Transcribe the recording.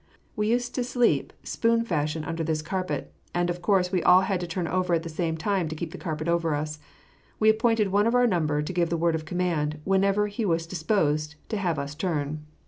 We used to sleep spoon fashion under this carpet, and of course we all had to turn over at the same time to keep the carpet over us. We appointed one of our number to give the word of command whenever he was disposed to have us turn.